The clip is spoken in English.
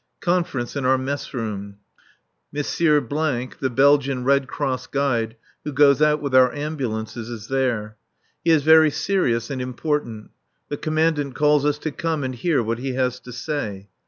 Conference in our mess room. M. , the Belgian Red Cross guide who goes out with our ambulances, is there. He is very serious and important. The Commandant calls us to come and hear what he has to say.